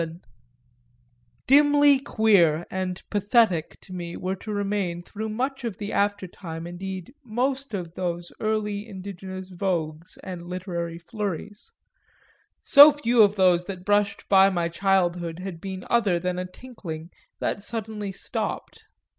VII Dimly queer and "pathetic" to me were to remain through much of the after time indeed most of those early indigenous vogues and literary flurries: so few of those that brushed by my childhood had been other than a tinkling that suddenly stopped.